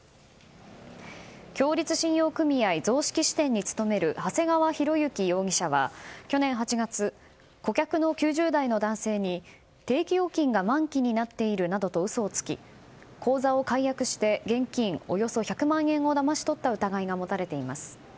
共立信用組合雑色支店に勤める長谷川広之容疑者は去年８月、顧客の９０代の男性に定期預金が満期になっているなどと嘘をつき口座を解約して現金およそ１００万円をだまし取った疑いが持たれています。